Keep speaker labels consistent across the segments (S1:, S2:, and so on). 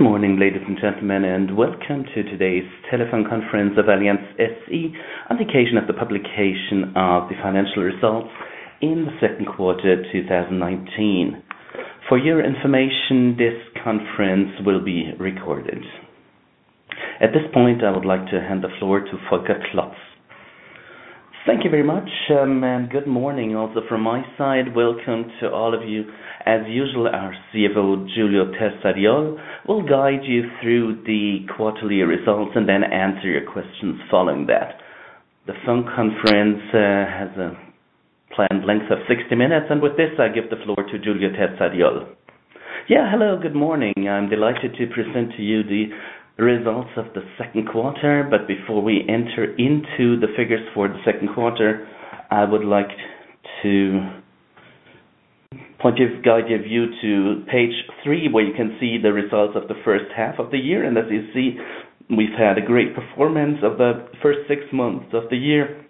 S1: Good morning, ladies and gentlemen, and welcome to today's telephone conference of Allianz SE on the occasion of the publication of the financial results in the second quarter 2019. For your information, this conference will be recorded. At this point, I would like to hand the floor to Holger Klotz.
S2: Thank you very much, and good morning also from my side. Welcome to all of you. As usual, our CFO, Giulio Terzariol, will guide you through the quarterly results and then answer your questions following that. The phone conference has a planned length of 60 minutes, and with this, I give the floor to Giulio Terzariol. Yeah, hello, good morning. I'm delighted to present to you the results of the second quarter, but before we enter into the figures for the second quarter, I would like to guide you to page three, where you can see the results of the first half of the year. As you see, we've had a great performance of the first six months of the year.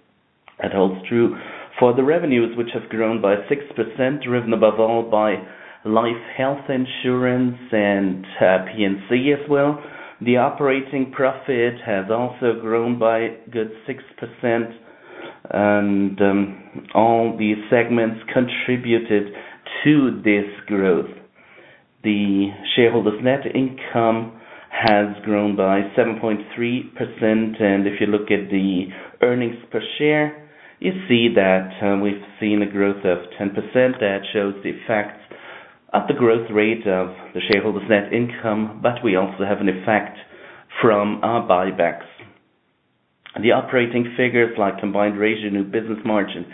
S2: That holds true for the revenues, which have grown by 6%, driven above all by life health insurance and P&C as well. The operating profit has also grown by a good 6%, and all these segments contributed to this growth. The shareholders' net income has grown by 7.3%, and if you look at the earnings per share, you see that we've seen a growth of 10%. That shows the effect of the growth rate of the shareholders' net income, but we also have an effect from our buybacks. The operating figures like combined ratio of new business margin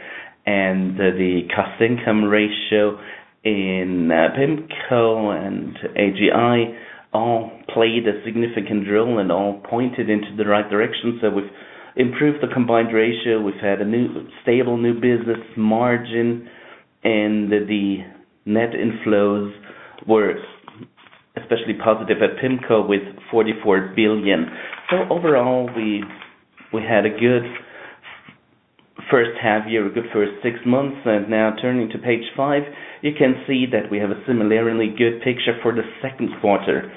S2: and the cost-to-income ratio in PIMCO and AGI all played a significant role and all pointed into the right direction, so we've improved the combined ratio. We've had a stable new business margin, and the net inflows were especially positive at PIMCO with 44 billion. So overall, we had a good first half year, a good first six months, and now turning to page five, you can see that we have a similarly good picture for the second quarter.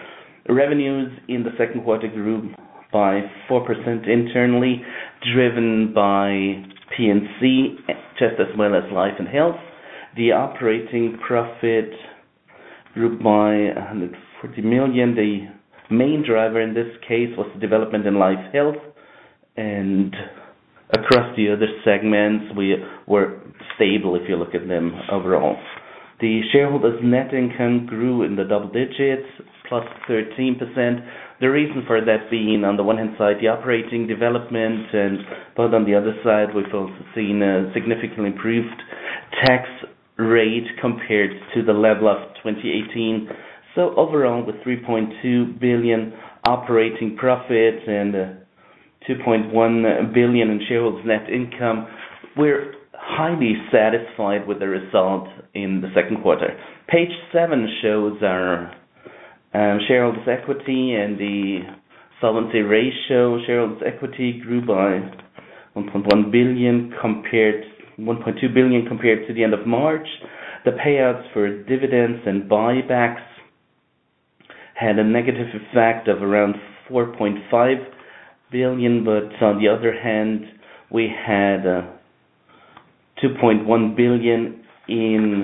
S2: Revenues in the second quarter grew by 4% internally, driven by P&C just as well as life and health. The operating profit grew by 140 million. The main driver in this case was the development in life health, and across the other segments, we were stable if you look at them overall. The shareholders' net income grew in the double digits, plus 13%. The reason for that being, on the one hand side, the operating development, and but on the other side, we've also seen a significantly improved tax rate compared to the level of 2018. So overall, with 3.2 billion operating profit and 2.1 billion in shareholders' net income, we're highly satisfied with the result in the second quarter. Page seven shows our shareholders' equity and the solvency ratio. Shareholders' equity grew by 1.2 billion compared to the end of March. The payouts for dividends and buybacks had a negative effect of around 4.5 billion, but on the other hand, we had 2.1 billion in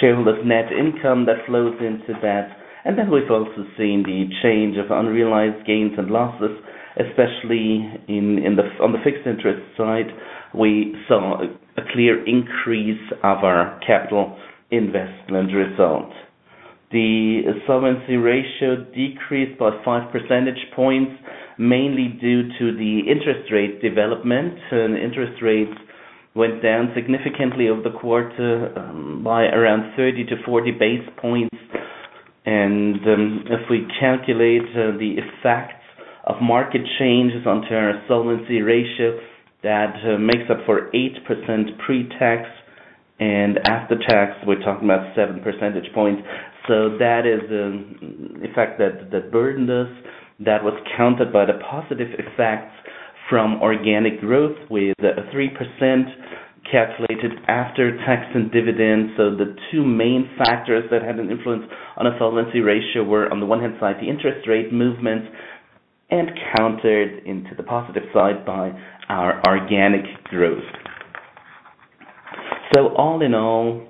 S2: shareholders' net income that flows into that. And then we've also seen the change of unrealized gains and losses, especially on the fixed interest side. We saw a clear increase of our capital investment result. The solvency ratio decreased by 5 percentage points, mainly due to the interest rate development. Interest rates went down significantly over the quarter by around 30-40 basis points, and if we calculate the effect of market changes onto our solvency ratio, that makes up for 8% pre-tax, and after-tax, we're talking about 7 percentage points, so that is the effect that burdened us. That was countered by the positive effects from organic growth with 3% calculated after tax and dividends, so the two main factors that had an influence on the solvency ratio were, on the one hand side, the interest rate movement and countered into the positive side by our organic growth. All in all,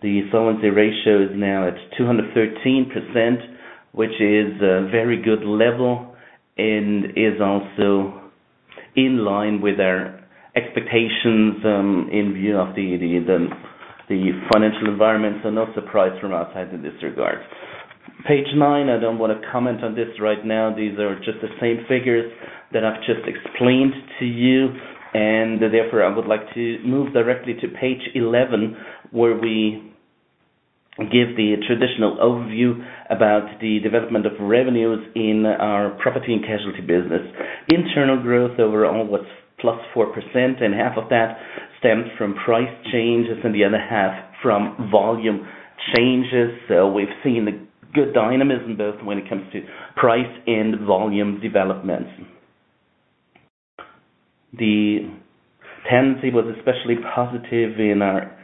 S2: the solvency ratio is now at 213%, which is a very good level and is also in line with our expectations in view of the financial environment, so no surprise from our side in this regard. Page nine, I don't want to comment on this right now. These are just the same figures that I've just explained to you, and therefore, I would like to move directly to page 11, where we give the traditional overview about the development of revenues in our property and casualty business. Internal growth overall was +4%, and half of that stems from price changes and the other half from volume changes. We've seen good dynamism both when it comes to price and volume developments. The tendency was especially positive in our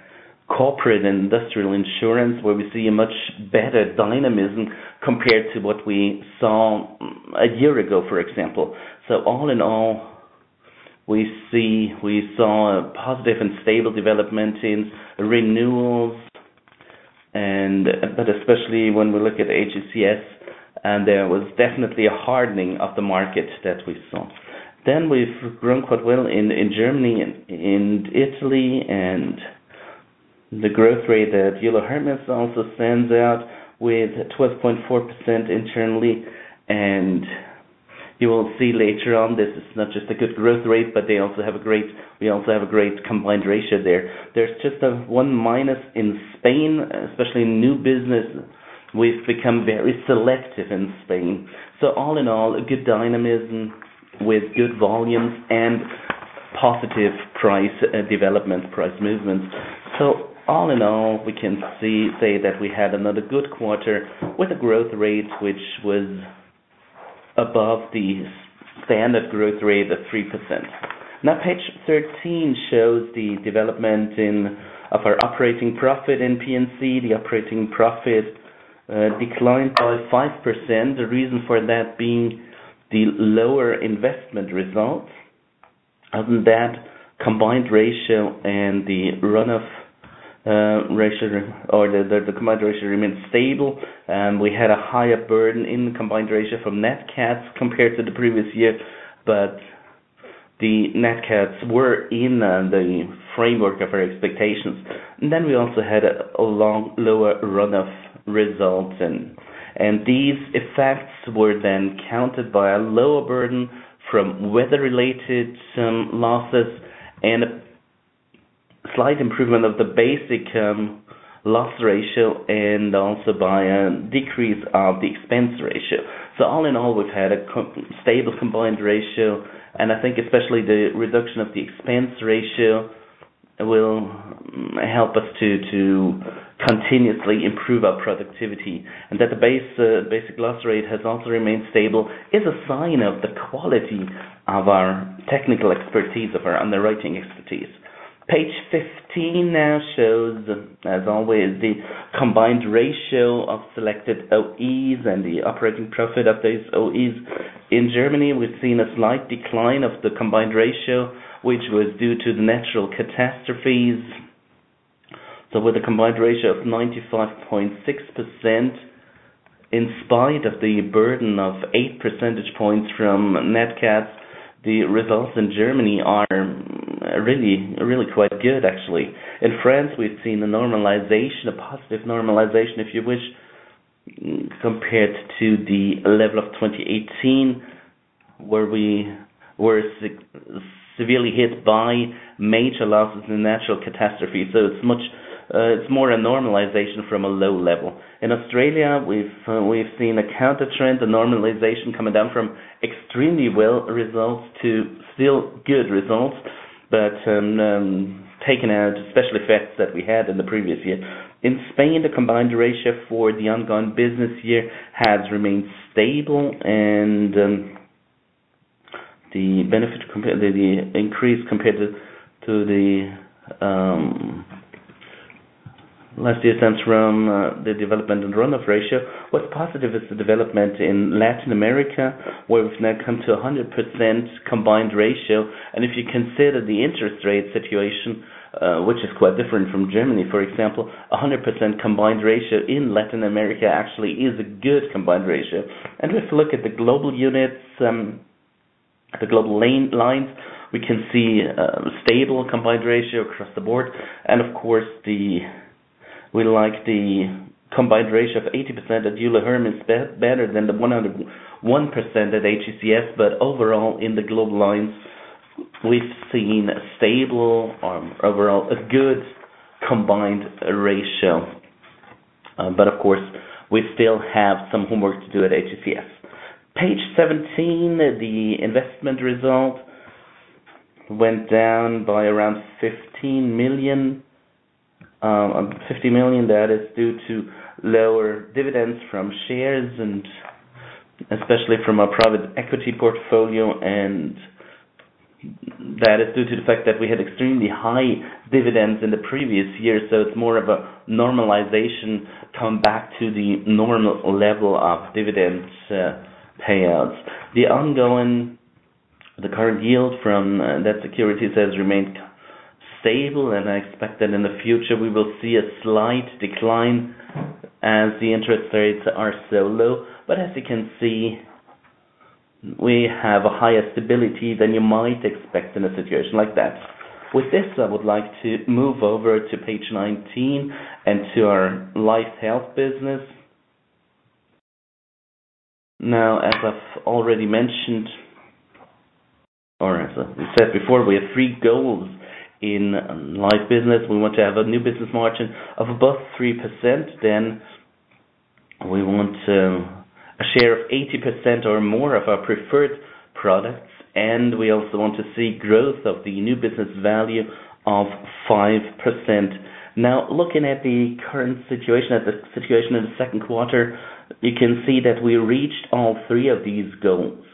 S2: corporate and industrial insurance, where we see a much better dynamism compared to what we saw a year ago, for example. So, all in all, we saw a positive and stable development in renewals, but especially when we look at AGCS, and there was definitely a hardening of the market that we saw. Then we've grown quite well in Germany and Italy, and the growth rate that Euler Hermes also sends out with 12.4% internally. And you will see later on, this is not just a good growth rate, but they also have a great, we also have a great combined ratio there. There's just one minus in Spain, especially in new business. We've become very selective in Spain. So, all in all, good dynamism with good volumes and positive price development, price movements. So all in all, we can say that we had another good quarter with a growth rate which was above the standard growth rate of 3%. Now, page 13 shows the development of our operating profit in P&C. The operating profit declined by 5%. The reason for that being the lower investment results. Other than that, combined ratio and the runoff ratio or the combined ratio remained stable. We had a higher burden in the combined ratio from Nat Cats compared to the previous year, but the Nat Cats were in the framework of our expectations. And then we also had a lower runoff result. And these effects were then countered by a lower burden from weather-related losses and a slight improvement of the basic loss ratio and also by a decrease of the expense ratio. So all in all, we've had a stable combined ratio, and I think especially the reduction of the expense ratio will help us to continuously improve our productivity. and that the basic loss rate has also remained stable is a sign of the quality of our technical expertise, of our underwriting expertise. Page 15 now shows, as always, the combined ratio of selected OEs and the operating profit of those OEs. In Germany, we've seen a slight decline of the combined ratio, which was due to the natural catastrophes. so with a combined ratio of 95.6%, in spite of the burden of 8 percentage points from Nat Cats, the results in Germany are really quite good, actually. In France, we've seen a normalization, a positive normalization, if you wish, compared to the level of 2018, where we were severely hit by major losses and natural catastrophes. It's more a normalization from a low level. In Australia, we've seen a counter trend, a normalization coming down from extremely well results to still good results, but taken out especially effects that we had in the previous year. In Spain, the combined ratio for the ongoing business year has remained stable, and the increase compared to the last year stems from the development and run-off ratio. What's positive is the development in Latin America, where we've now come to 100% combined ratio. If you consider the interest rate situation, which is quite different from Germany, for example, 100% combined ratio in Latin America actually is a good combined ratio. If we look at the global units, the global lines, we can see a stable combined ratio across the board. Of course, we like the combined ratio of 80% at Euler Hermes better than the 101% at AGCS, but overall, in the global lines, we've seen a stable, overall, a good combined ratio. But of course, we still have some homework to do at AGCS. Page 17, the investment result went down by around 15 million. 50 million, that is due to lower dividends from shares, and especially from our private equity portfolio, and that is due to the fact that we had extremely high dividends in the previous year. So it's more of a normalization come back to the normal level of dividend payouts. The current yield from that securities has remained stable, and I expect that in the future we will see a slight decline as the interest rates are so low. But as you can see, we have a higher stability than you might expect in a situation like that. With this, I would like to move over to page 19 and to our life health business. Now, as I've already mentioned, or as I said before, we have three goals in life business. We want to have a new business margin of above 3%. Then we want a share of 80% or more of our preferred products, and we also want to see growth of the new business value of 5%. Now, looking at the current situation, at the situation in the second quarter, you can see that we reached all three of these goals.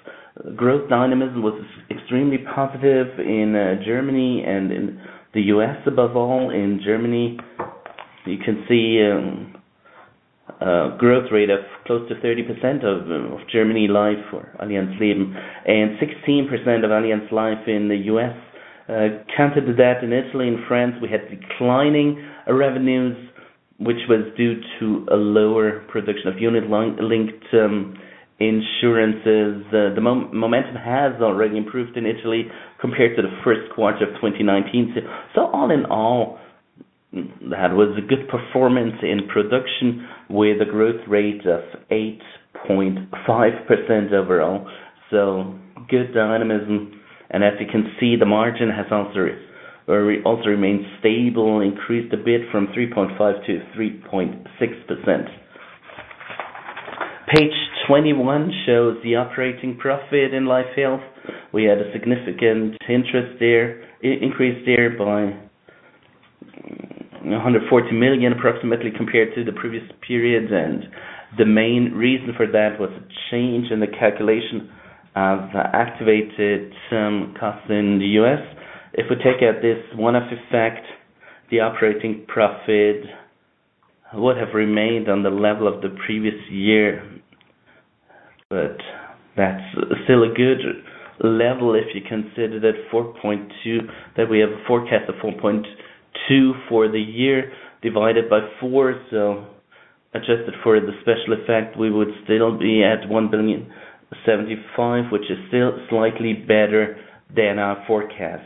S2: Growth dynamism was extremely positive in Germany and in the U.S., above all in Germany. You can see a growth rate of close to 30% of Germany life or Allianz Leben, and 16% of Allianz Life in the U.S.. Counter to that, in Italy and France, we had declining revenues, which was due to a lower production of unit-linked insurances. The momentum has already improved in Italy compared to the first quarter of 2019. So all in all, that was a good performance in production with a growth rate of 8.5% overall. So good dynamism. And as you can see, the margin has also remained stable, increased a bit from 3.5%-3.6%. Page 21 shows the operating profit in life health. We had a significant increase there by approximately 140 million compared to the previous period. And the main reason for that was a change in the calculation of activated costs in the U.S.. If we take out this one-off effect, the operating profit would have remained on the level of the previous year, but that's still a good level if you consider that 4.2 billion, that we have a forecast of 4.2 billion for the year divided by four, so adjusted for the special effect, we would still be at 1.075 billion, which is still slightly better than our forecast.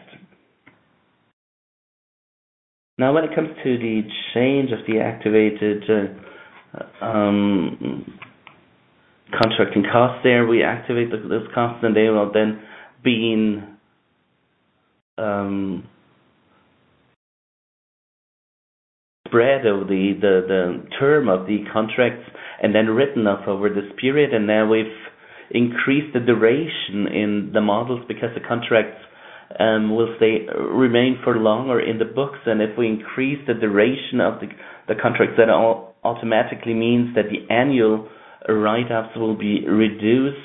S2: Now, when it comes to the change of the capitalized acquisition costs there, we activate those costs and they will then be spread over the term of the contracts and then written off over this period, and now we've increased the duration in the models because the contracts will remain for longer in the books, and if we increase the duration of the contracts, that automatically means that the annual write-offs will be reduced.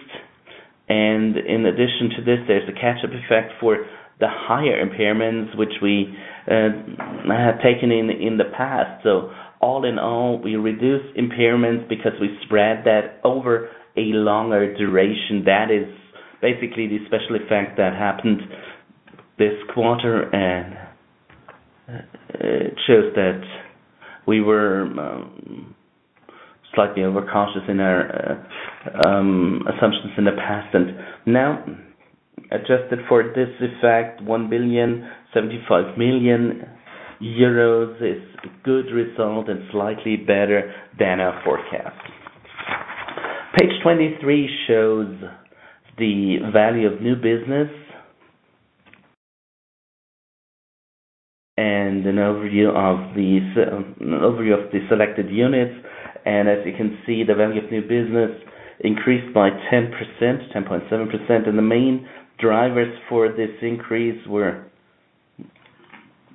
S2: And in addition to this, there's a catch-up effect for the higher impairments, which we have taken in the past. So all in all, we reduce impairments because we spread that over a longer duration. That is basically the special effect that happened this quarter and shows that we were slightly overcautious in our assumptions in the past. And now, adjusted for this effect, 1.075 billion is a good result and slightly better than our forecast. Page 23 shows the value of new business and an overview of the selected units. And as you can see, the value of new business increased by 10.7%. And the main drivers for this increase were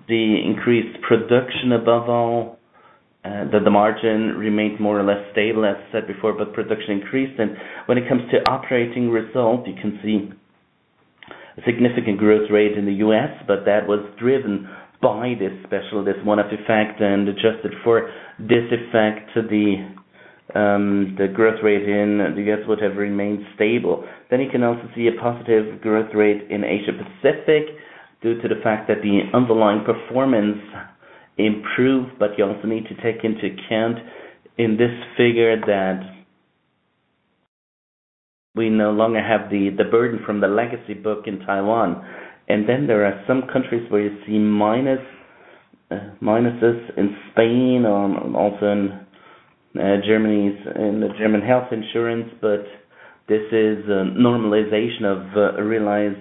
S2: the increased production above all, that the margin remained more or less stable, as I said before, but production increased. When it comes to operating result, you can see a significant growth rate in the U.S., but that was driven by this special, this one-off effect. Adjusted for this effect, the growth rate in the U.S. would have remained stable. You can also see a positive growth rate in Asia-Pacific due to the fact that the underlying performance improved, but you also need to take into account in this figure that we no longer have the burden from the legacy book in Taiwan. There are some countries where you see minuses in Spain or also in Germany's German health insurance, but this is a normalization of realized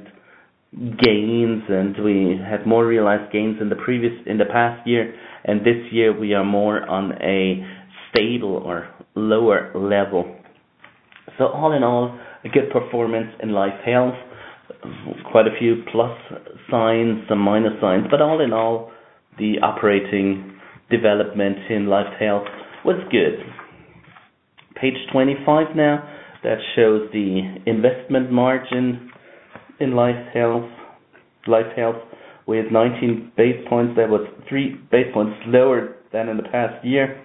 S2: gains, and we had more realized gains in the past year. This year, we are more on a stable or lower level. So all in all, a good performance in life health, quite a few plus signs, some minus signs. But all in all, the operating development in life health was good. Page 25 now, that shows the investment margin in life health. Life health, with 19 basis points, that was three basis points lower than in the past year,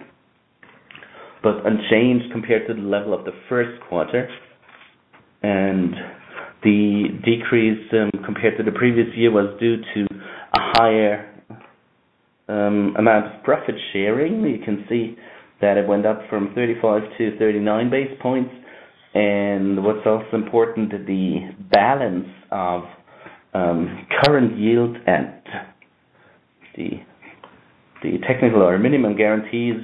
S2: but unchanged compared to the level of the first quarter. And the decrease compared to the previous year was due to a higher amount of profit sharing. You can see that it went up from 35-39 basis points. And what's also important, the balance of current yield and the technical or minimum guarantees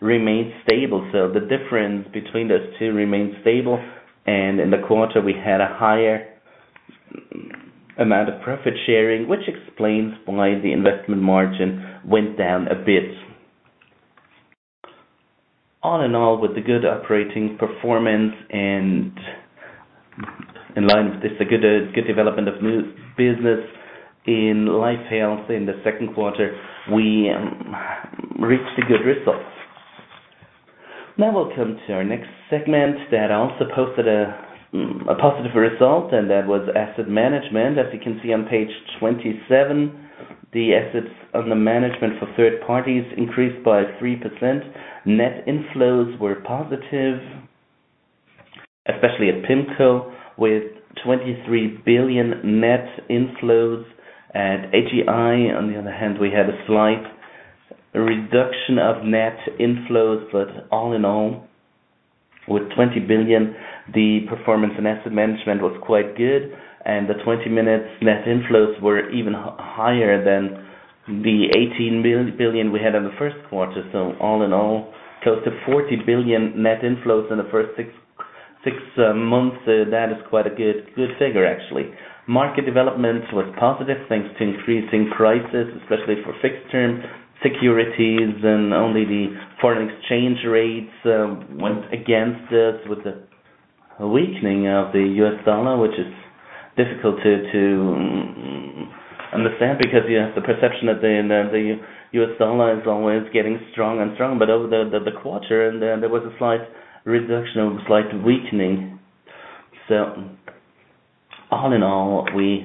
S2: remained stable. So, the difference between those two remained stable. And in the quarter, we had a higher amount of profit sharing, which explains why the investment margin went down a bit. All in all, with the good operating performance and in line with this, the good development of new business in Life/Health in the second quarter, we reached a good result. Now we'll come to our next segment that also posted a positive result, and that was Asset Management. As you can see on page 27, the assets under management for third parties increased by 3%. Net inflows were positive, especially at PIMCO, with 23 billion net inflows. At AGI, on the other hand, we had a slight reduction of net inflows, but all in all, with 20 billion, the performance in Asset Management was quite good, and the 20 billion net inflows were even higher than the 18 billion we had in the first quarter. So, all in all, close to 40 billion net inflows in the first six months, that is quite a good figure, actually. Market development was positive thanks to increasing prices, especially for fixed-term securities, and only the foreign exchange rates went against this with the weakening of the U.S. dollar, which is difficult to understand because you have the perception that the U.S. dollar is always getting strong and strong. But over the quarter, there was a slight reduction, a slight weakening. So, all in all, we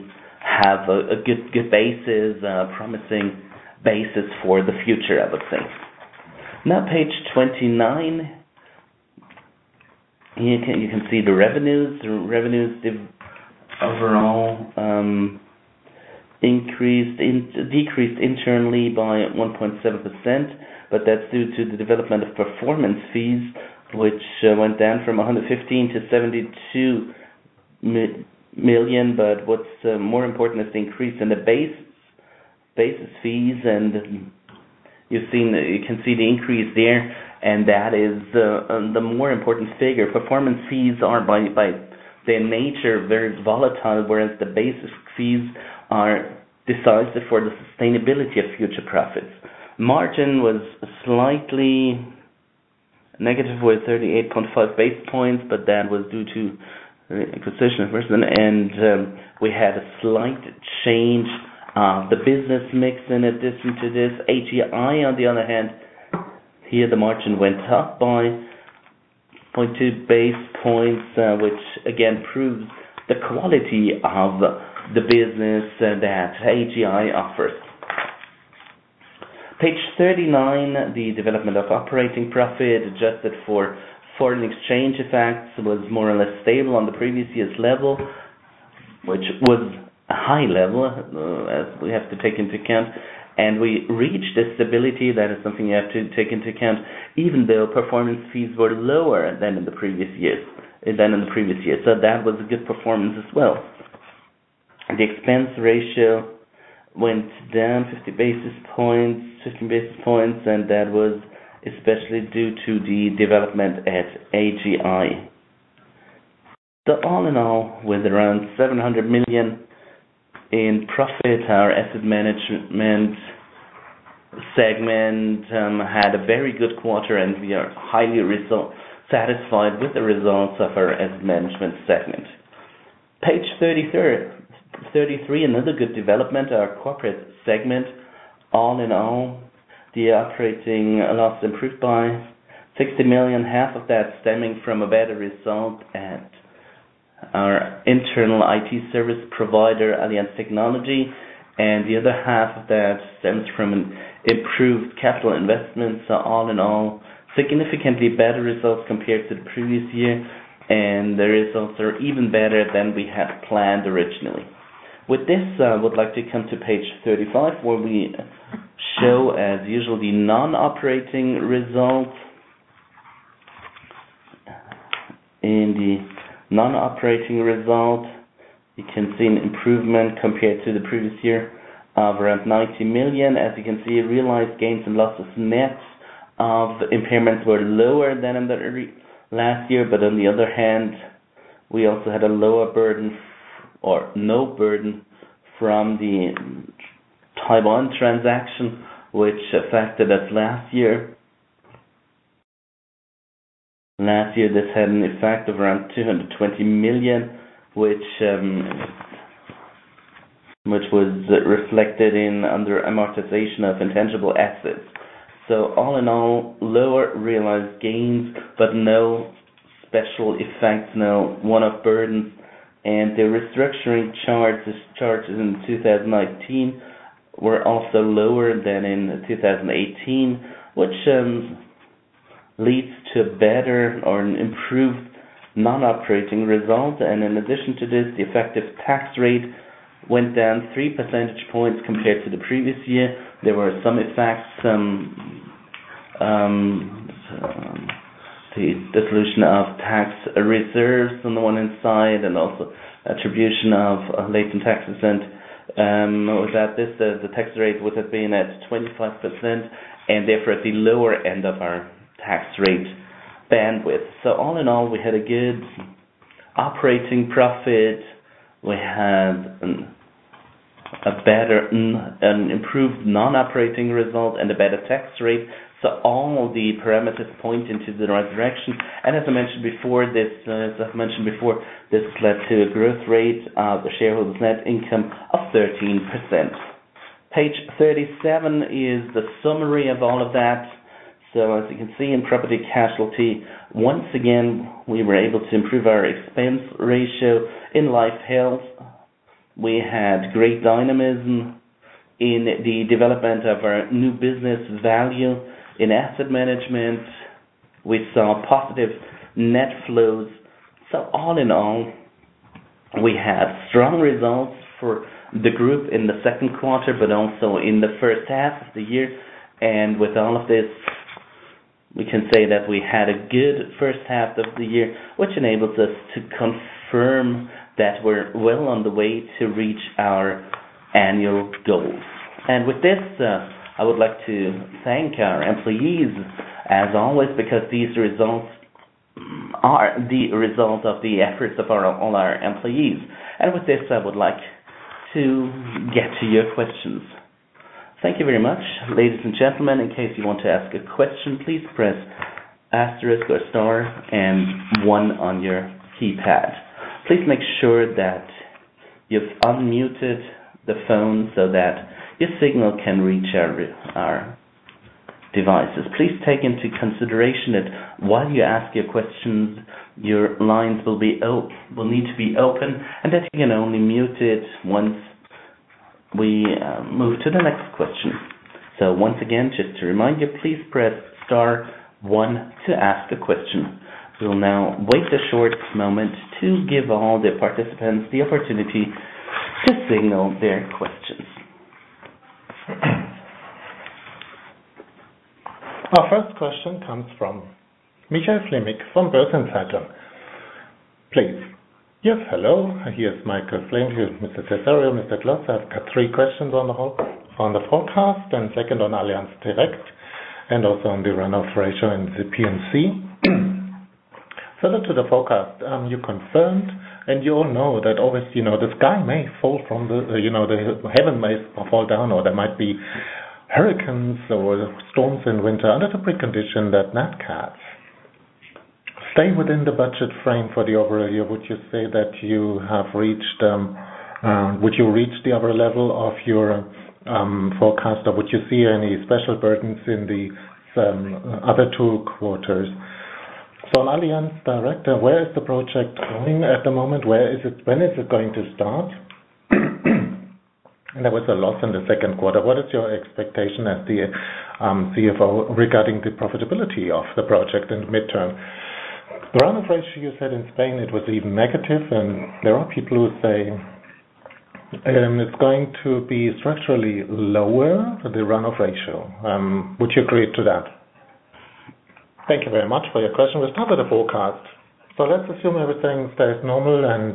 S2: have a good basis, a promising basis for the future, I would say. Now, page 29, you can see the revenues. The revenues overall decreased internally by 1.7%, but that's due to the development of performance fees, which went down from 115 million-72 million. But what's more important is the increase in the base fees, and you can see the increase there, and that is the more important figure. Performance fees are, by their nature, very volatile, whereas the basis fees are decisive for the sustainability of future profits. Margin was slightly negative with 38.5 basis points, but that was due to acquisition. And we had a slight change of the business mix in addition to this. AGI, on the other hand, here, the margin went up by 0.2 basis points, which again proves the quality of the business that AGI offers. Page 39, the development of operating profit adjusted for foreign exchange effects was more or less stable on the previous year's level, which was a high level, as we have to take into account. And we reached a stability. That is something you have to take into account, even though performance fees were lower than in the previous year. So that was a good performance as well. The expense ratio went down 50 basis points, 15 basis points, and that was especially due to the development at AGI. So, all in all, with around 700 million in profit, our asset management segment had a very good quarter, and we are highly satisfied with the results of our asset management segment. Page 33, another good development, our corporate segment. All in all, the operating loss improved by 60 million. Half of that stemming from a better result at our internal IT service provider, Allianz Technology, and the other half of that stems from improved capital investments. So, all in all, significantly better results compared to the previous year, and the results are even better than we had planned originally. With this, I would like to come to page 35, where we show, as usual, the non-operating result. In the non-operating result, you can see an improvement compared to the previous year of around 90 million. As you can see, realized gains and losses net of impairments were lower than in the last year, but on the other hand, we also had a lower burden or no burden from the Taiwan transaction, which affected us last year. Last year, this had an effect of around 220 million, which was reflected in under amortization of intangible assets. So, all in all, lower realized gains, but no special effects, no one-off burdens. And the restructuring charges in 2019 were also lower than in 2018, which leads to a better or improved non-operating result. And in addition to this, the effective tax rate went down 3 percentage points compared to the previous year. There were some effects, some dissolution of tax reserves on the one-hand side and also attribution of late in taxes. And without this, the tax rate would have been at 25% and therefore at the lower end of our tax rate bandwidth. So, all in all, we had a good operating profit. We had an improved non-operating result and a better tax rate. So, all the parameters point into the right direction. And as I mentioned before, this led to a growth rate of the shareholders' net income of 13%. Page 37 is the summary of all of that. So, as you can see in property casualty, once again, we were able to improve our expense ratio in life health. We had great dynamism in the development of our new business value in asset management. We saw positive net flows. So all in all, we had strong results for the group in the second quarter, but also in the first half of the year, and with all of this, we can say that we had a good first half of the year, which enables us to confirm that we're well on the way to reach our annual goals, and with this, I would like to thank our employees, as always, because these results are the result of the efforts of all our employees, and with this, I would like to get to your questions.
S1: Thank you very much, ladies and gentlemen. In case you want to ask a question, please press asterisk or star and one on your keypad. Please make sure that you've unmuted the phone so that your signal can reach our devices. Please take into consideration that while you ask your questions, your lines will need to be open and that you can only mute it once we move to the next question. So once again, just to remind you, please press star one to ask a question. We'll now wait a short moment to give all the participants the opportunity to signal their questions. Our first question comes from Michael Fleming from Börsen-Zeitung. Please.
S3: Yes, hello. This is Michael Fleming. Hello, Mr. Terzariol, Mr. Klotz. I've got three questions on the forecast and second on Allianz Direct and also on the run-off ratio in the P&C. So to the forecast, you confirmed, and you all know that obviously this sky may fall from the heaven may fall down, or there might be hurricanes or storms in winter under the precondition that NATCAT stays within the budget frame for the overall year. Would you say that you have reached the overall level of your forecast, or would you see any special burdens in the other two quarters? So on Allianz Direct, where is the project going at the moment? When is it going to start? And there was a loss in the second quarter. What is your expectation as the CFO regarding the profitability of the project in the midterm? The runoff ratio, you said in Spain, it was even negative, and there are people who say it's going to be structurally lower, the runoff ratio. Would you agree to that?
S4: Thank you very much for your question. We start with the forecast. So let's assume everything stays normal and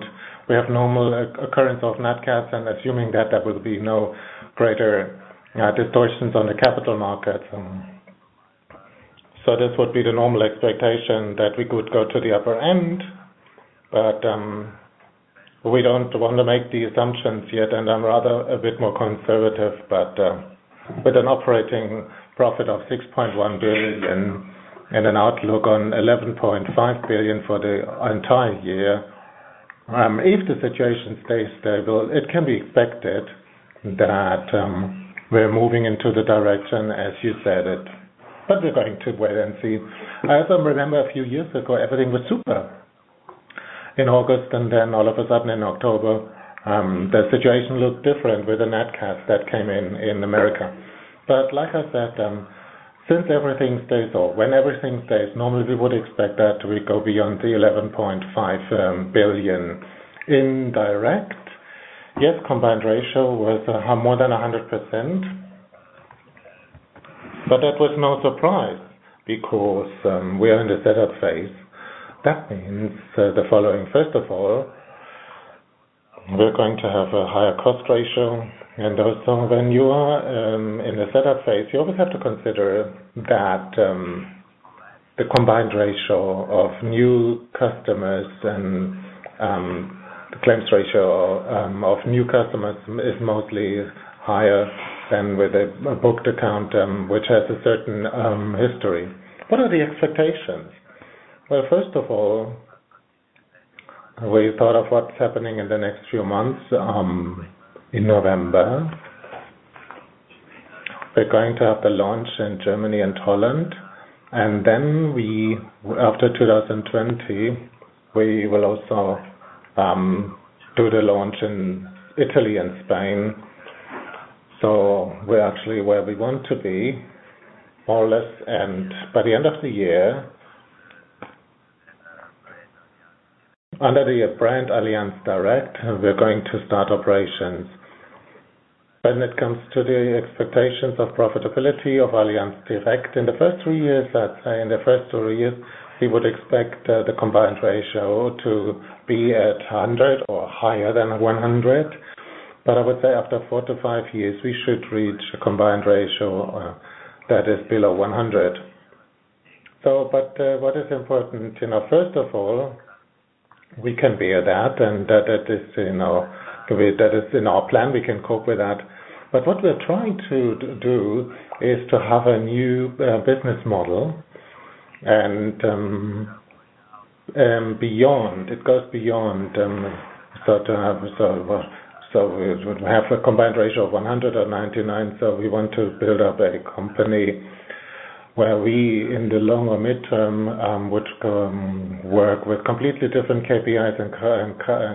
S4: we have normal occurrence of NATCAT, and assuming that there will be no greater distortions on the capital markets. So, this would be the normal expectation that we could go to the upper end, but we don't want to make the assumptions yet, and I'm rather a bit more conservative. But with an operating profit of 6.1 billion and an outlook on 11.5 billion for the entire year, if the situation stays stable, it can be expected that we're moving into the direction, as you said it. But we're going to wait and see. As I remember a few years ago, everything was super in August, and then all of a sudden in October, the situation looked different with the NATCAT that came in America. But like I said, since everything stays normal, we would expect that we go beyond the 11.5 billion in direct. Yes, combined ratio was more than 100%, but that was no surprise because we are in the setup phase. That means the following. First of all, we're going to have a higher cost ratio. And also, when you are in the setup phase, you always have to consider that the combined ratio of new customers and the claims ratio of new customers is mostly higher than with a booked account, which has a certain history. What are the expectations? Well, first of all, we thought of what's happening in the next few months. In November, we're going to have the launch in Germany and Holland. And then after 2020, we will also do the launch in Italy and Spain. So, we're actually where we want to be, more or less. And by the end of the year, under the brand Allianz Direct, we're going to start operations. But when it comes to the expectations of profitability of Allianz Direct, in the first three years, I'd say in the first three years, we would expect the combined ratio to be at 100 or higher than 100. But I would say after four to five years, we should reach a combined ratio that is below 100. But what is important? First of all, we can bear that, and that is in our plan. We can cope with that. But what we're trying to do is to have a new business model, and it goes beyond. So, we have a combined ratio of 199. So, we want to build up a company where we, in the long or midterm, would work with completely different KPIs and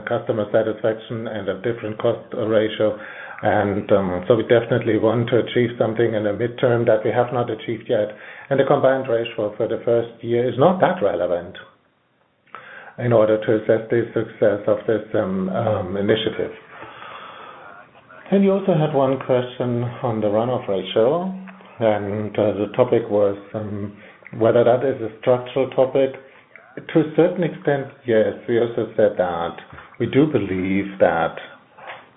S4: customer satisfaction and a different cost ratio. And so, we definitely want to achieve something in the midterm that we have not achieved yet. And the combined ratio for the first year is not that relevant in order to assess the success of this initiative. And you also had one question on the runoff ratio, and the topic was whether that is a structural topic. To a certain extent, yes. We also said that we do believe that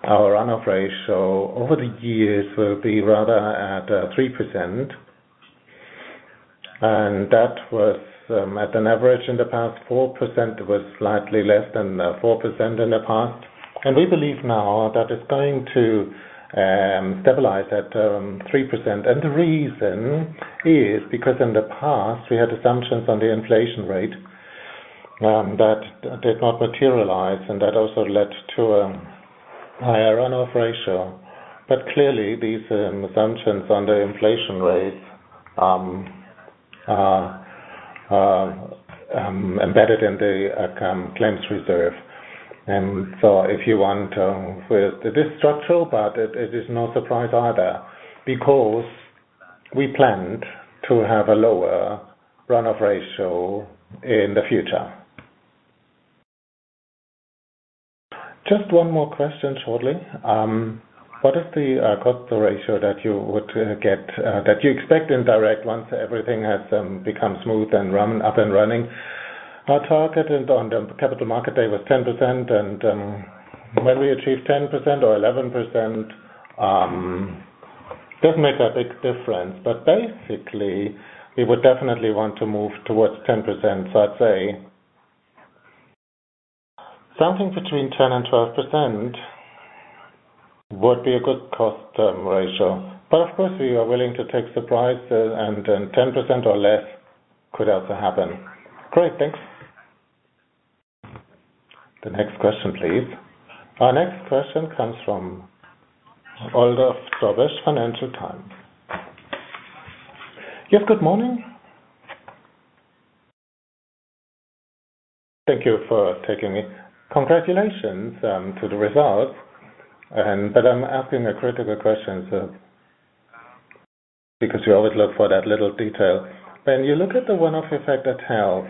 S4: our runoff ratio over the years will be rather at 3%. And that was, at an average in the past, 4%. It was slightly less than 4% in the past. And we believe now that it's going to stabilize at 3%. And the reason is because in the past, we had assumptions on the inflation rate that did not materialize, and that also led to a higher runoff ratio. But clearly, these assumptions on the inflation rate are embedded in the claims reserve. This is structural, but it is no surprise either because we planned to have a lower run-off ratio in the future.
S3: Just one more question shortly. What is the cost ratio that you would get that you expect in direct once everything has become smooth and up and running?
S4: Our target on the capital market day was 10%, and when we achieve 10% or 11%, it doesn't make a big difference. But basically, we would definitely want to move towards 10%. So I'd say something between 10% and 12% would be a good cost ratio. But of course, we are willing to take surprises, and 10% or less could also happen.
S3: Great. Thanks.
S1: The next question, please. Our next question comes from Olaf Storbeck, Financial Times.
S5: Yes, good morning. Thank you for taking me. Congratulations to the results. I'm asking a critical question because you always look for that little detail. When you look at the run-off effect at health,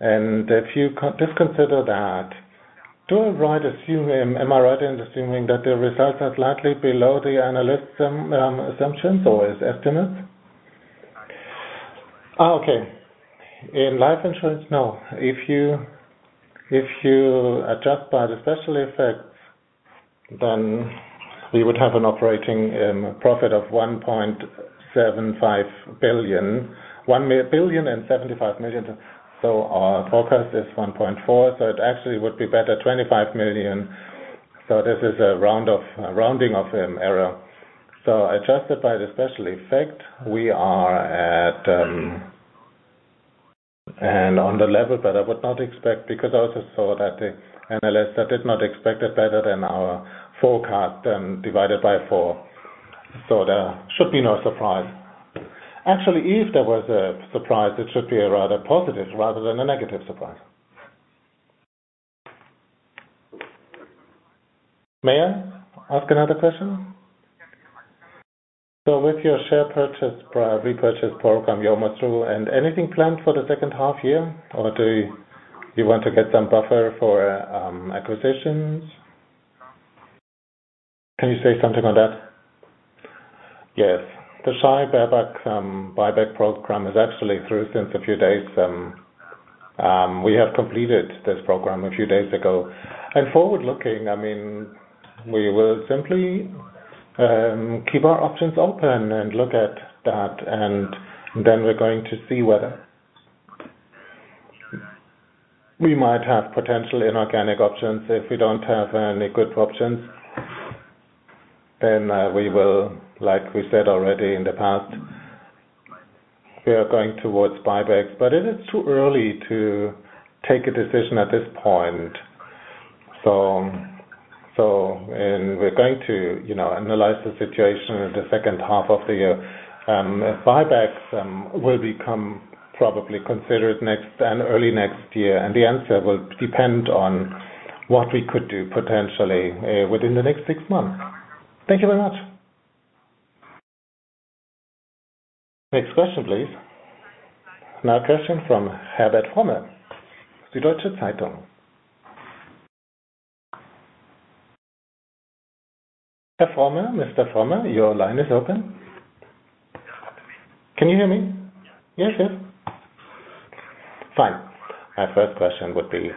S5: and if you just consider that, do I write assuming am I writing and assuming that the results are slightly below the analysts' assumptions or estimates?
S4: Okay. In life insurance, no. If you adjust by the special effects, then we would have an operating profit of 1.75 billion. 1 billion and 75 million. So, our forecast is 1.4 billion. So, it actually would be better 25 million. So, this is a rounding error. So adjusted by the special effect, we are at on the level that I would not expect because I also saw that the analysts did not expect it better than our forecast divided by four. So, there should be no surprise. Actually, if there was a surprise, it should be a rather positive rather than a negative surprise.
S5: May I ask another question? So with your share purchase repurchase program, you're almost through. And anything planned for the second half year, or do you want to get some buffer for acquisitions? Can you say something on that?
S4: Yes. The share buyback program is actually through since a few days. We have completed this program a few days ago, and forward-looking, I mean, we will simply keep our options open and look at that, and then we're going to see whether we might have potential inorganic options. If we don't have any good options, then we will, like we said already in the past, we are going towards buybacks, but it is too early to take a decision at this point. So we're going to analyze the situation in the second half of the year. Buybacks will become probably considered early next year, and the answer will depend on what we could do potentially within the next six months.
S5: Thank you very much.
S1: Next question, please. Now a question from Herbert Fromme, the Süddeutsche Zeitung. Mr. Fromme, Mr. Fromme, your line is open.
S6: Can you hear me?
S4: Yes, yes.
S6: Fine. My first question would be,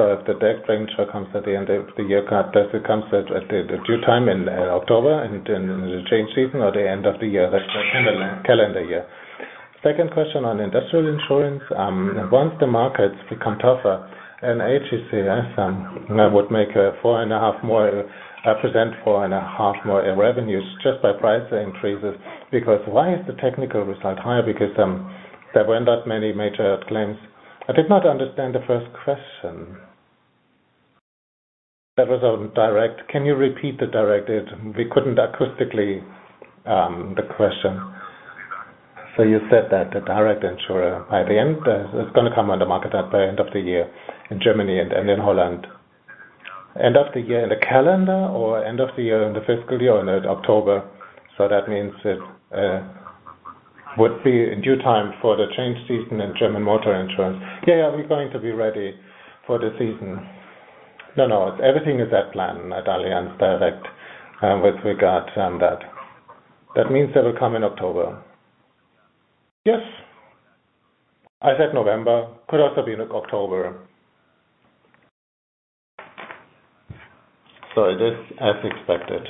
S6: so if the tax rate comes at the end of the year, does it come at the due time in October and in the change season or the end of the year? That's the calendar year. Second question on industrial insurance. Once the markets become tougher, an AGCS would make 4.5% more in revenues just by price increases. Because why is the technical result higher? Because there were not many major claims.
S4: I did not understand the first question.
S6: That was on direct.
S4: Can you repeat the direct? We couldn't acoustically the question.
S6: So you said that the direct insurer by the end, it's going to come on the market by the end of the year in Germany and in Holland. End of the year in the calendar or end of the year in the fiscal year or in October? So that means it would be due time for the change season in German motor insurance.
S4: Yeah, yeah. We're going to be ready for the season. No, no. Everything is at plan at Allianz Direct with regard to that.
S6: That means they will come in October.
S4: Yes. I said November. Could also be in October.
S6: So it is as expected.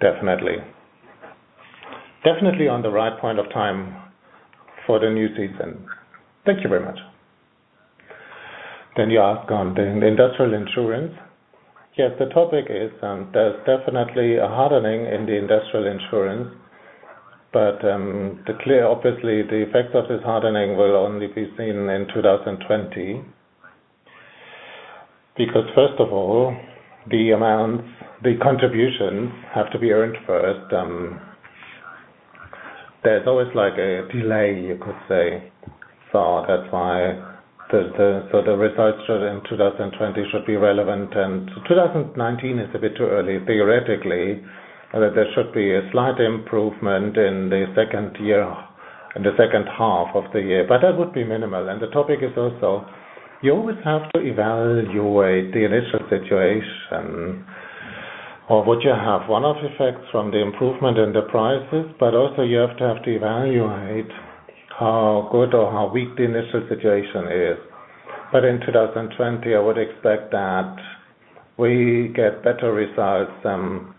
S6: Definitely.
S4: Definitely on the right point of time for the new season.
S6: Thank you very much.
S4: Then you ask on the industrial insurance.
S6: Yes.
S4: The topic is there's definitely a hardening in the industrial insurance. But obviously, the effects of this hardening will only be seen in 2020 because, first of all, the contributions have to be earned first. There's always a delay, you could say. So that's why the results in 2020 should be relevant. And 2019 is a bit too early, theoretically, that there should be a slight improvement in the second half of the year. But that would be minimal. And the topic is also you always have to evaluate the initial situation of what you have, one of the effects from the improvement in the prices. But also, you have to evaluate how good or how weak the initial situation is. But in 2020, I would expect that we get better results than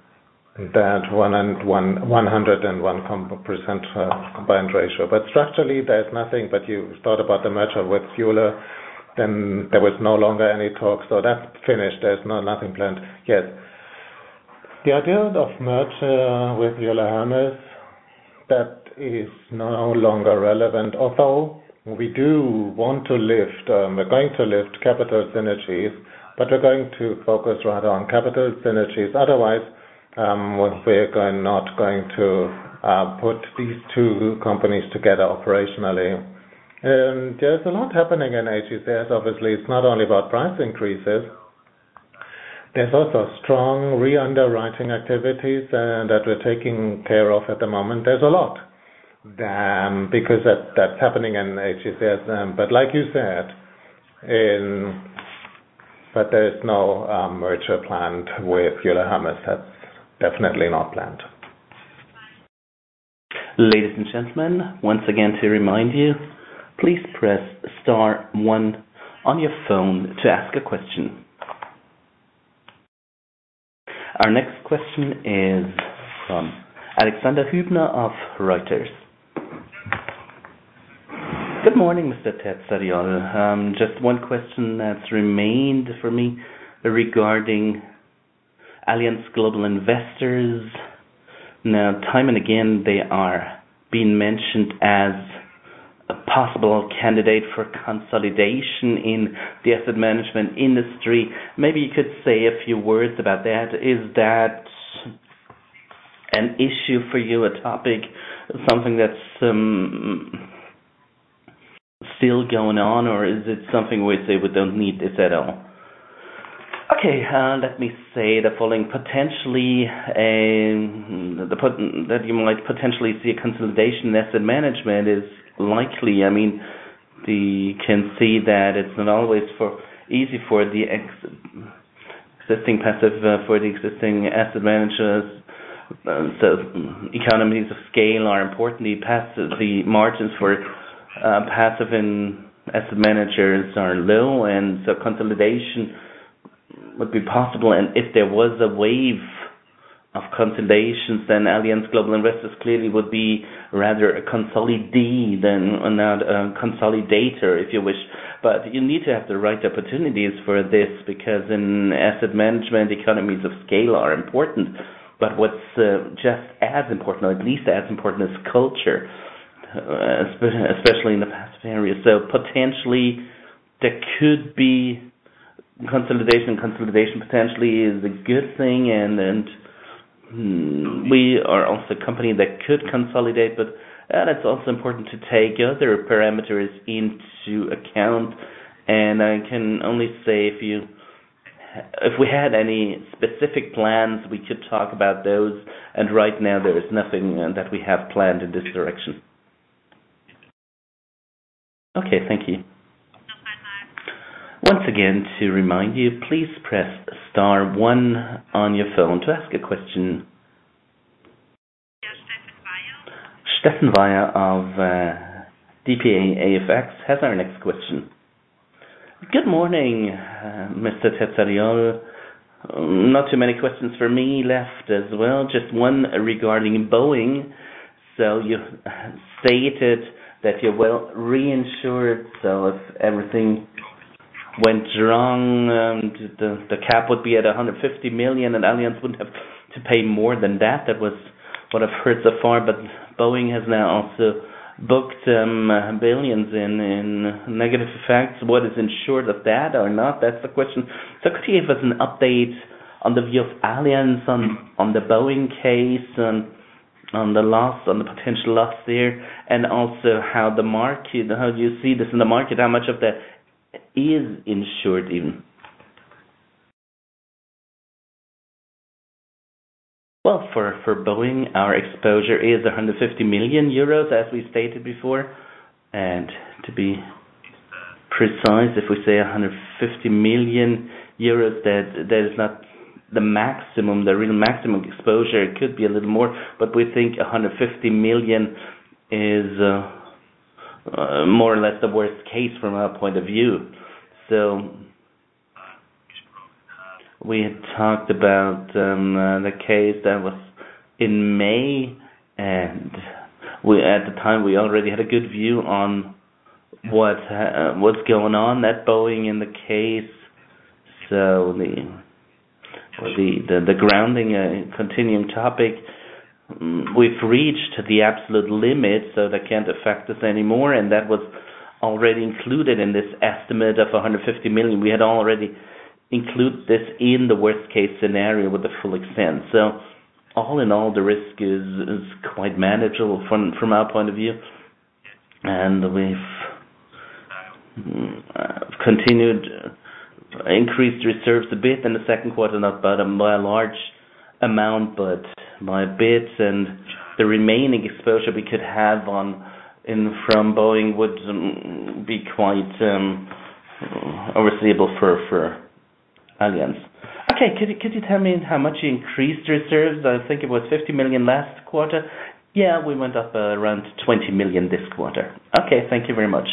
S4: that 101% combined ratio. But structurally, there's nothing. But you thought about the merger with Euler Hermes, then there was no longer any talk. So that's finished. There's nothing planned. Yes. The idea of merger with Euler Hermes, that is no longer relevant. Although we do want to lift we're going to lift capital synergies, but we're going to focus rather on capital synergies. Otherwise, we're not going to put these two companies together operationally. There's a lot happening in HSCs. Obviously, it's not only about price increases. There's also strong re-underwriting activities that we're taking care of at the moment. There's a lot because that's happening in HSCs. But like you said, but there's no merger planned with Euler Hermes. That's definitely not planned.
S1: Ladies and gentlemen, once again, to remind you, please press star one on your phone to ask a question. Our next question is from Alexander Hübner of Reuters.
S7: Good morning, Mr. Terzariol. Just one question that's remained for me regarding Allianz Global Investors. Now, time and again, they are being mentioned as a possible candidate for consolidation in the asset management industry. Maybe you could say a few words about that. Is that an issue for you, a topic, something that's still going on, or is it something we say we don't need this at all?
S4: Okay. Let me say the following: potentially, that you might potentially see a consolidation in asset management is likely. I mean, we can see that it's not always easy for the existing passive for the existing asset managers. So economies of scale are important. The margins for passive asset managers are low, and so consolidation would be possible. And if there was a wave of consolidations, then Allianz Global Investors clearly would be rather a consolidator, if you wish. But you need to have the right opportunities for this because in asset management, economies of scale are important. But what's just as important, or at least as important, is culture, especially in the passive area. So potentially, there could be consolidation. Consolidation potentially is a good thing. And we are also a company that could consolidate. But it's also important to take other parameters into account. And I can only say if we had any specific plans, we could talk about those. And right now, there is nothing that we have planned in this direction.
S7: Okay. Thank you.
S1: Once again, to remind you, please press star one on your phone to ask a question. Steffen Weyer. Steffen Weyer of dpa-AFX has our next question.
S8: Good morning, Mr. Terzariol. Not too many questions for me left as well. Just one regarding Boeing. You stated that you will reinsure it. If everything went wrong, the cap would be at 150 million, and Allianz wouldn't have to pay more than that. That was what I've heard so far. But Boeing has now also booked billions in negative effects. What is insured of that or not? That's the question. Could you give us an update on the view of Allianz on the Boeing case and on the potential loss there? And also, how do you see this in the market? How much of that is insured even?
S4: For Boeing, our exposure is 150 million euros, as we stated before. And to be precise, if we say 150 million euros, that is not the real maximum exposure. It could be a little more. But we think 150 million is more or less the worst case from our point of view. So, we had talked about the case that was in May. And at the time, we already had a good view on what's going on at Boeing in the case. So, the grounding continuing topic, we've reached the absolute limit, so that can't affect us anymore. And that was already included in this estimate of 150 million. We had already included this in the worst-case scenario with the full extent. So, all in all, the risk is quite manageable from our point of view. And we've continued increased reserves a bit in the second quarter, not by a large amount, but by a bit. And the remaining exposure we could have from Boeing would be quite overseeable for Allianz.
S8: Okay. Could you tell me how much you increased reserves?
S4: I think it was 50 million last quarter. Yeah, we went up around 20 million this quarter.
S8: Okay. Thank you very much.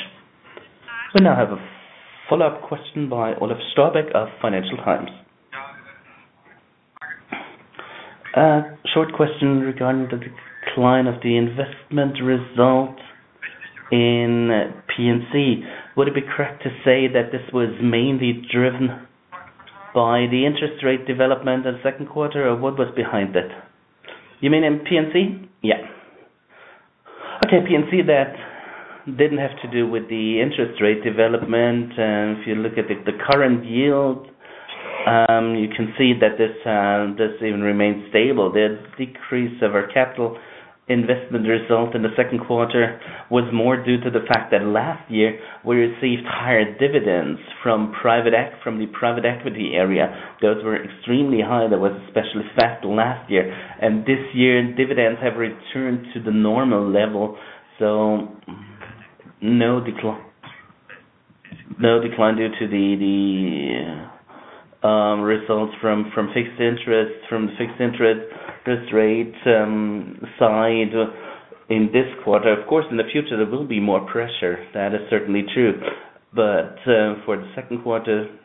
S1: We now have a follow-up question by Olaf Storbeck of Financial Times.
S5: Short question regarding the decline of the investment result in P&C. Would it be correct to say that this was mainly driven by the interest rate development in the second quarter, or what was behind that?
S4: You mean in P&C?
S5: Yeah.
S4: Okay. P&C, that didn't have to do with the interest rate development. And if you look at the current yield, you can see that this even remained stable. The decrease of our capital investment result in the second quarter was more due to the fact that last year, we received higher dividends from the private equity area. Those were extremely high. That was especially vast last year. And this year, dividends have returned to the normal level. So no decline due to the results from fixed interest, from the fixed interest rate side in this quarter. Of course, in the future, there will be more pressure. That is certainly true. But for the second quarter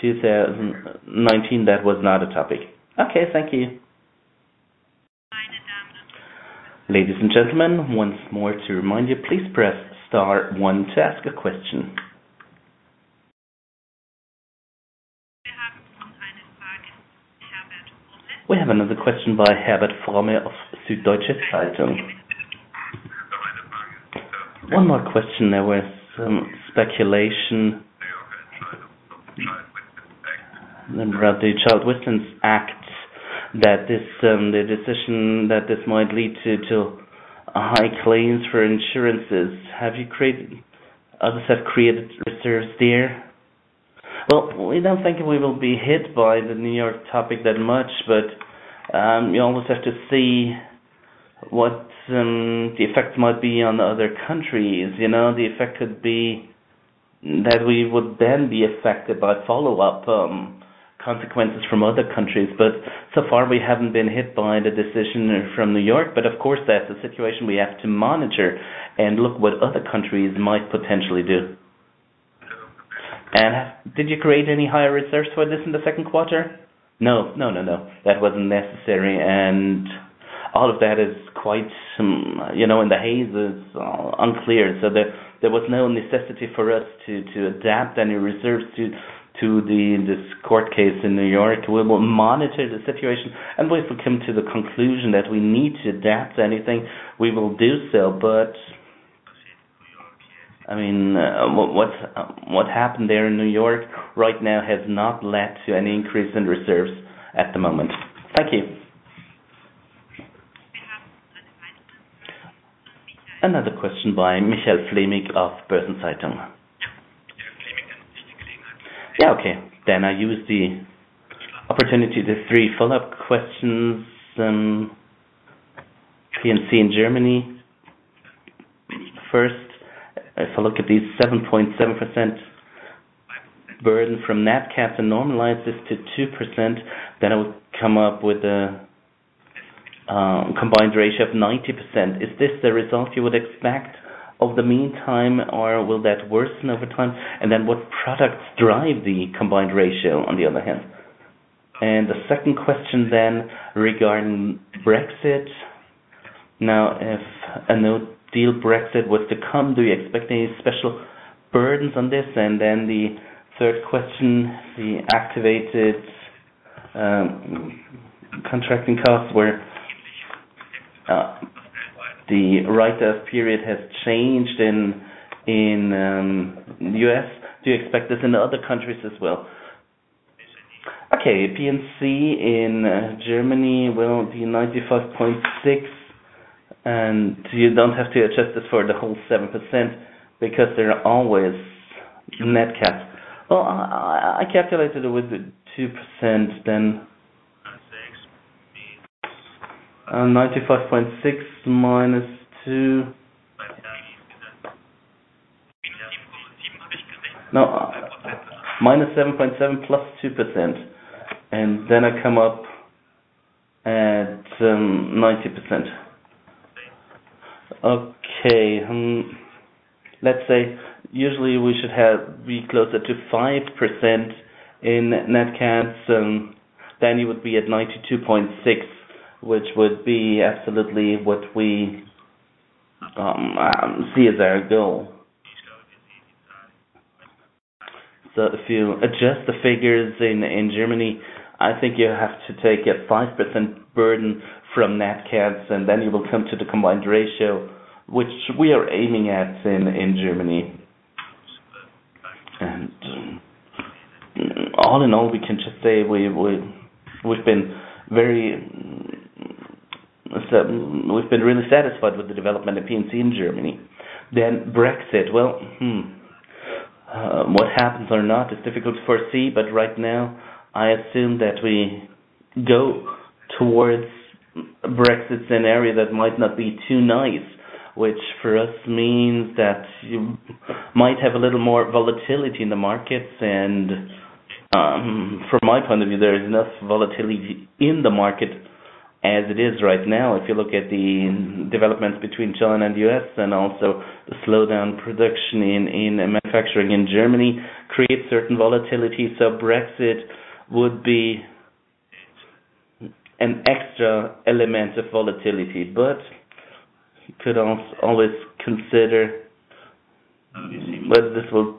S4: 2019, that was not a topic.
S5: Okay. Thank you.
S1: Ladies and gentlemen, once more to remind you, please press star one to ask a question. We have another question by Herbert Fromme of Süddeutsche Zeitung.
S6: One more question. There was speculation about the Child Victims Act, that the decision that this might lead to high claims for insurers. Have you created reserves there? Others have created reserves there?
S4: Well, we don't think we will be hit by the New York topic that much. But you always have to see what the effect might be on other countries. The effect could be that we would then be affected by follow-up consequences from other countries. But so far, we haven't been hit by the decision from New York. But of course, that's a situation we have to monitor and look what other countries might potentially do.
S6: And did you create any higher reserves for this in the second quarter?
S4: No. No, no, no. That wasn't necessary. And all of that is quite in the haze, unclear. So there was no necessity for us to adapt any reserves to this court case in New York. We will monitor the situation. And we've come to the conclusion that we need to adapt anything. We will do so. But I mean, what happened there in New York right now has not led to any increase in reserves at the moment.
S6: Thank you.
S1: Another question by Michael Fleming of Börsen-Zeitung.
S3: Yeah. Okay. Then I use the opportunity to do three follow-up questions. P&C in Germany first. If I look at these 7.7% burden from Nat Cats and normalize this to 2%, then I would come up with a combined ratio of 90%. Is this the result you would expect over the medium term, or will that worsen over time? And then what products drive the combined ratio on the other hand? And the second question then regarding Brexit. Now, if a no-deal Brexit was to come, do you expect any special burdens on this? And then the third question, the capitalized acquisition costs where the recognition period has changed in the U.S., do you expect this in other countries as well?
S4: Okay. P&C in Germany, well, the 95.6%. And you don't have to adjust this for the whole 7% because there are always Nat Cats. Well, I calculated it with 2%, then 95.6% -2% -7.7% +2%. And then I come up at 90%. Okay. Let's say usually we should be closer to 5% in NatCat. Then you would be at 92.6%, which would be absolutely what we see as our goal, so if you adjust the figures in Germany, I think you have to take a 5% burden from NatCat, and then you will come to the combined ratio, which we are aiming at in Germany, and all in all, we can just say we've been very satisfied with the development of P&C in Germany. Then Brexit, well, what happens or not is difficult to foresee, but right now, I assume that we go towards Brexit's scenario that might not be too nice, which for us means that you might have a little more volatility in the markets, and from my point of view, there is enough volatility in the market as it is right now. If you look at the developments between Germany and the U.S., then also the slowdown in production in manufacturing in Germany creates certain volatility. So Brexit would be an extra element of volatility. But you could always consider whether this will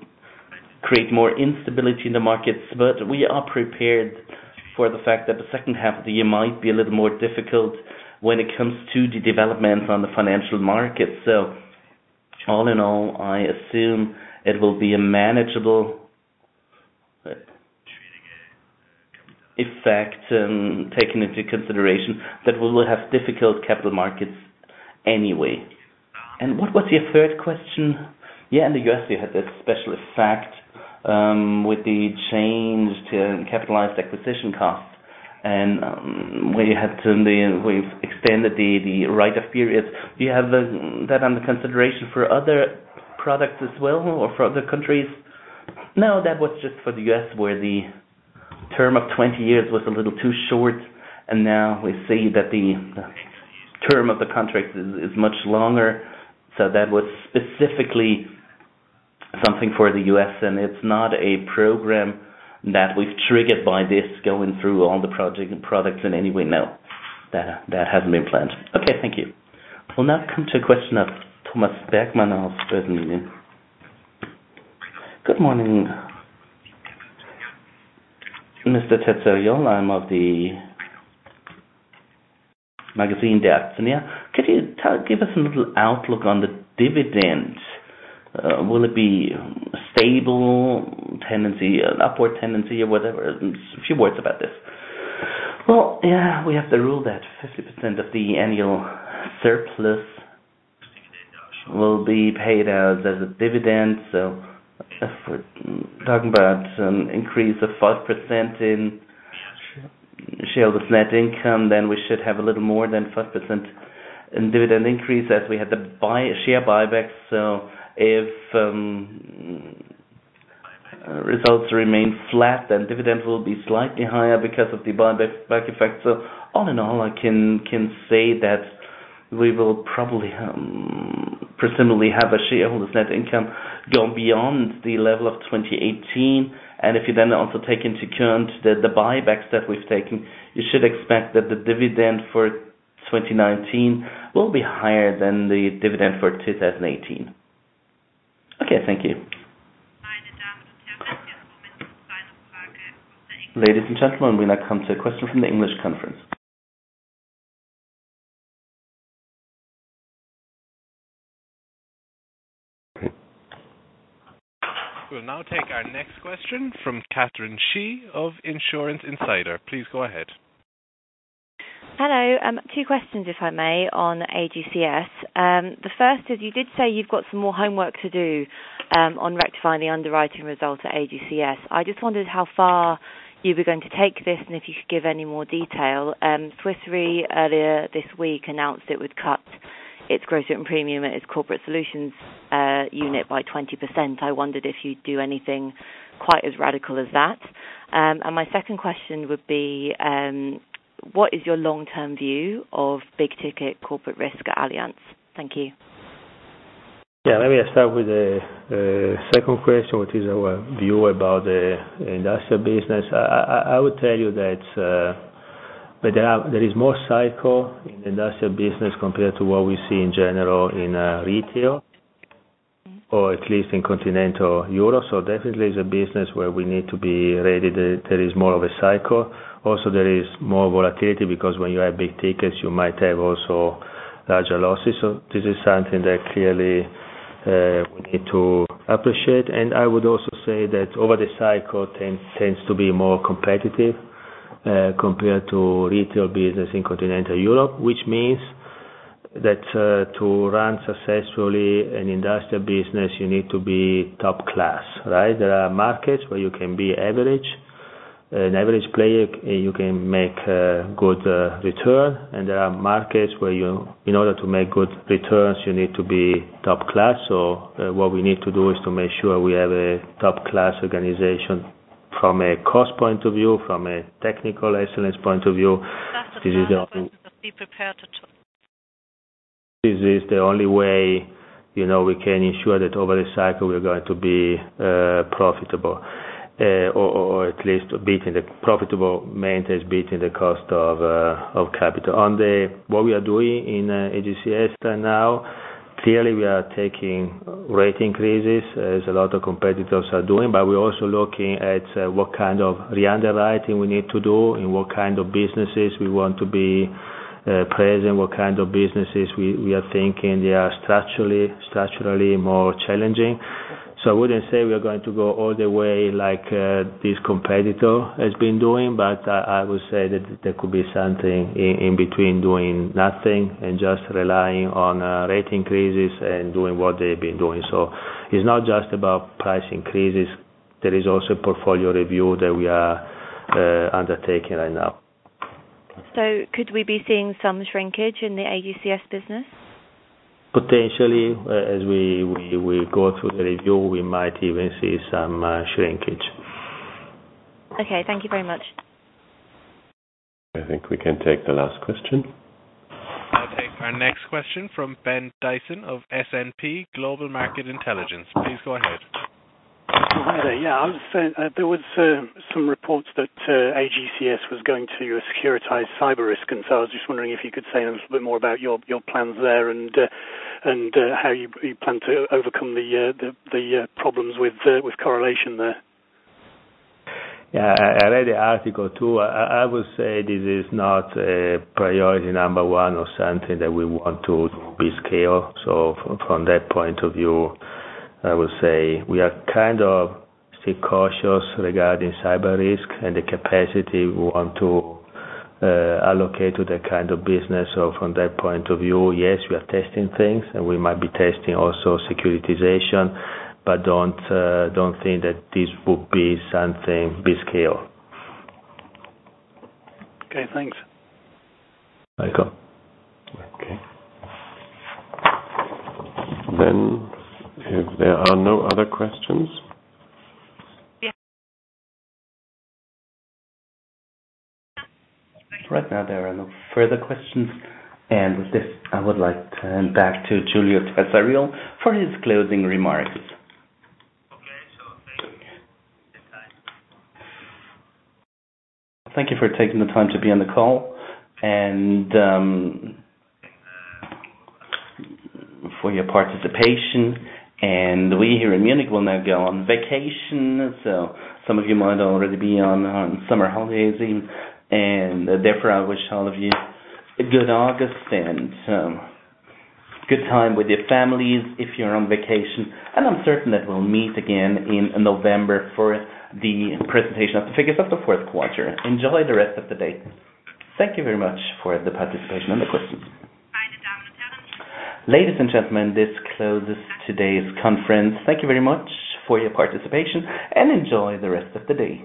S4: create more instability in the markets. But we are prepared for the fact that the second half of the year might be a little more difficult when it comes to the developments on the financial markets. So all in all, I assume it will be a manageable effect taken into consideration that we will have difficult capital markets anyway. And what was your third question?
S9: Yeah. In the U.S., you had this special effect with the change to capitalized acquisition costs. And we've extended the run-off period. Do you have that under consideration for other products as well or for other countries?
S4: No, that was just for the US where the term of 20 years was a little too short. And now we see that the term of the contract is much longer. So that was specifically something for the US. And it's not a program that we've triggered by this going through all the projects and products in any way now. That hasn't been planned.
S3: Okay. Thank you.
S1: We'll now come to a question of Thomas Bergmann of Börsen-Zeitung.
S10: Good morning, Mr. Terzariol. I'm of the magazine Der Aktionär. Could you give us a little outlook on the dividend? Will it be a stable tendency, an upward tendency, or whatever? A few words about this.
S4: Well, yeah, we have to rule that 50% of the annual surplus will be paid out as a dividend. If we're talking about an increase of 5% in share of net income, then we should have a little more than 5% in dividend increase as we had the share buybacks. If results remain flat, then dividends will be slightly higher because of the buyback effect. All in all, I can say that we will probably presumably have a shareholder's net income go beyond the level of 2018. If you then also take into account the buybacks that we've taken, you should expect that the dividend for 2019 will be higher than the dividend for 2018.
S10: Okay. Thank you.
S1: Ladies and gentlemen, we now come to a question from the English conference. We'll now take our next question from Catrin Shi of Insurance Insider. Please go ahead.
S11: Hello. Two questions, if I may, on AGCS. The first is you did say you've got some more homework to do on rectifying the underwriting result at AGCS. I just wondered how far you were going to take this and if you could give any more detail. Swiss Re earlier this week announced it would cut its gross premium at its corporate solutions unit by 20%. I wondered if you'd do anything quite as radical as that. And my second question would be, what is your long-term view of big-ticket corporate risk at Allianz? Thank you.
S4: Yeah. Let me start with the second question, which is our view about the industrial business. I would tell you that there is more cycle in the industrial business compared to what we see in general in retail, or at least in continental Europe. So definitely, it's a business where we need to be ready that there is more of a cycle. Also, there is more volatility because when you have big tickets, you might have also larger losses. So this is something that clearly we need to appreciate. And I would also say that over the cycle, it tends to be more competitive compared to retail business in continental Europe, which means that to run successfully an industrial business, you need to be top class, right? There are markets where you can be an average player, and you can make a good return. And there are markets where, in order to make good returns, you need to be top class. So what we need to do is to make sure we have a top-class organization from a cost point of view, from a technical excellence point of view. This is the only way we can ensure that over the cycle, we're going to be profitable or at least maintain the cost of capital. On what we are doing in AGCS right now, clearly, we are taking rate increases as a lot of competitors are doing. But we're also looking at what kind of re-underwriting we need to do, in what kind of businesses we want to be present, what kind of businesses we are thinking they are structurally more challenging. So I wouldn't say we are going to go all the way like this competitor has been doing. But I would say that there could be something in between doing nothing and just relying on rate increases and doing what they've been doing. So it's not just about price increases. There is also portfolio review that we are undertaking right now.
S11: So could we be seeing some shrinkage in the AGCS business?
S4: Potentially. As we go through the review, we might even see some shrinkage.
S11: Okay. Thank you very much.
S4: I think we can take the last question.
S1: I'll take our next question from Ben Dyson of S&P Global Market Intelligence. Please go ahead.
S12: Hi there. Yeah. There were some reports that AGCS was going to securitize cyber risk. And so I was just wondering if you could say a little bit more about your plans there and how you plan to overcome the problems with correlation there.
S4: Yeah. I read the article too. I would say this is not priority number one or something that we want to be scaled. So from that point of view, I would say we are kind of cautious regarding cyber risk and the capacity we want to allocate to that kind of business. So from that point of view, yes, we are testing things, and we might be testing also securitization. But don't think that this would be something to be scaled.
S12: Okay. Thanks.
S4: Welcome. Okay. Then if there are no other questions.
S1: Right now, there are no further questions. And with this, I would like to turn back to Giulio Terzariol for his closing remarks.
S4: Thank you for taking the time to be on the call and for your participation. And we here in Munich will now go on vacation. So some of you might already be on summer holidays even. And therefore, I wish all of you a good August and good time with your families if you're on vacation. And I'm certain that we'll meet again in November for the presentation of the figures of the fourth quarter. Enjoy the rest of the day.
S1: Thank you very much for the participation and the questions. Ladies and gentlemen, this closes today's conference. Thank you very much for your participation and enjoy the rest of the day.